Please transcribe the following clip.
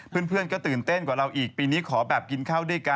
เพื่อนก็ตื่นเต้นกว่าเราอีกปีนี้ขอแบบกินข้าวด้วยกัน